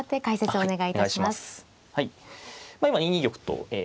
お願いします。